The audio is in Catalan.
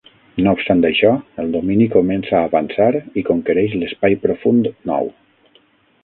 No obstant això, el Domini comença a avançar i conquereix l'Espai profund nou.